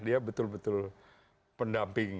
dia betul betul pendamping